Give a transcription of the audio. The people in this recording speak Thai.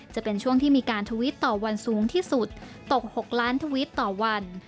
จะเป็นช่วงที่มีการทวิตต่อวันสูงที่สุดตก๖ล้านทวิตต่อวัน